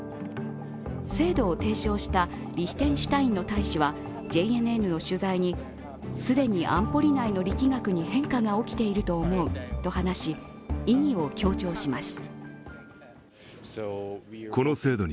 制度を提唱したリヒテンシュタインの大使はＪＮＮの取材に、既に安保理内の力学に変化が起きていると思うと話し意義を強調します。